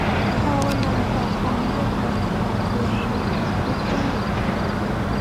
ภาวนาต่อความเงียบงันสำหรับคืนนี้ของผู้พูด